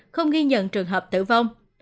không ghi nhận trường hợp tử vong